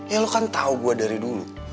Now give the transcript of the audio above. ya lo kan tahu gue dari dulu